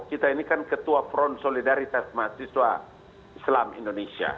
kita ini kan ketua front solidaritas mahasiswa islam indonesia